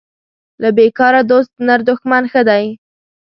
له بیکاره دوست نر دښمن ښه دی